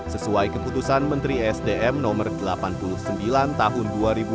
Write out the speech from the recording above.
sesuai keputusan menteri sdm no delapan puluh sembilan tahun dua ribu dua puluh